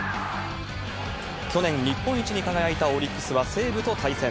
去年、日本一に輝いたオリックスは西武と対戦。